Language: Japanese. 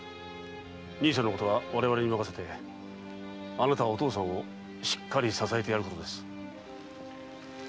兄さんのことは我々に任せてあなたはお父さんをしっかり支えてやることです。